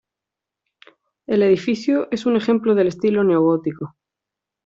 El edificio es un ejemplo del estilo neogótico.